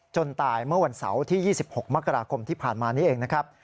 ตายเมื่อวันเสาร์ที่๒๖มกราคมที่ผ่านมานี้เองนะครับ